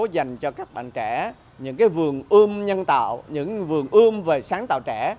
dành cho các bạn trẻ những vườn ươm nhân tạo những vườn ươm về sáng tạo trẻ